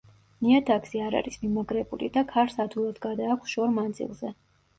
ნიადაგზე არ არის მიმაგრებული და ქარს ადვილად გადააქვს შორ მანძილზე.